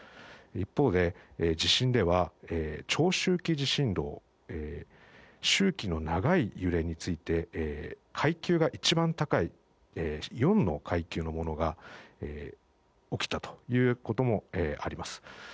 一方で地震では長周期地震動周期の長い揺れについて階級が一番高い４の階級のものが起きたということも分かります。